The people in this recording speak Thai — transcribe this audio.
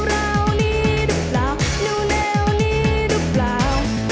ราวนี้รึเปล่าแนวนี้รึเปล่า